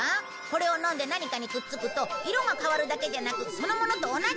これを飲んで何かにくっつくと色が変わるだけじゃなくそのものと同じになれるんだ。